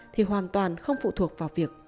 thì hoàn toàn không phụ thuộc vào việc cha mẹ ly hôn